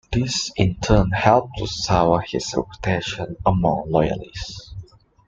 This in turn helped to sour his reputation among Loyalists.